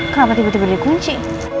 kenapa tiba tiba dikunci